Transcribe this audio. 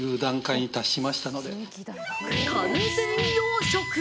完全養殖！